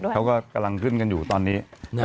เขาก็กำลังขึ้นกันอยู่ตอนนี้